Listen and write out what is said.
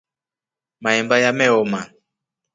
Maemba yameoma.